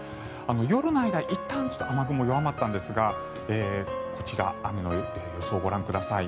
夜の間いったん雨雲、弱まったんですがこちら雨の予想をご覧ください。